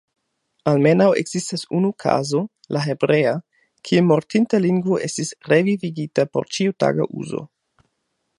Almenaŭ ekzistas unu kazo, la hebrea, kie mortinta lingvo estis "revivigita" por ĉiutaga uzo.